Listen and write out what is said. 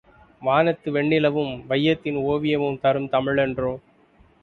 வானத்து வெண்ணிலவும் வையத்தின் ஓவியமும் தரும் தமிழன்றோ!